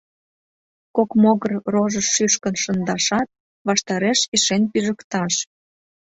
Кок могыр рожыш шӱшкын шындашат, ваштареш ишен пижыкташ.